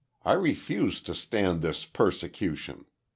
I refuse to stand this persecution.